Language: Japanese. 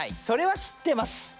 それはしってます！